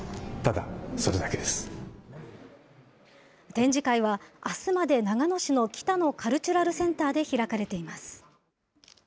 展示会はあすまで、長野市の北野カルチュラルセンターで開かれています。